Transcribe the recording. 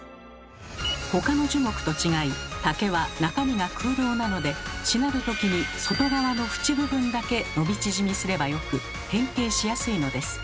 他の樹木と違い竹は中身が空洞なのでしなる時に外側の縁部分だけ伸び縮みすればよく変形しやすいのです。